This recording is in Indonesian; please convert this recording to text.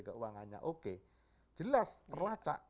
keuangannya oke jelas terlacak